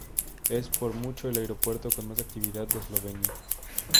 Es por mucho el aeropuerto con más actividad de Eslovenia.